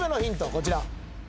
こちら。